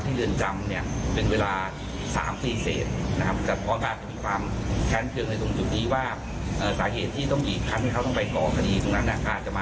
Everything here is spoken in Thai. ที่เรือนจำเนี่ยเป็นเวลา๓ปีเสร็จนะครับ